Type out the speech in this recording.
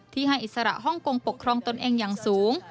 ให้อิสระฮ่องกงปกครองตนเองอย่างสูง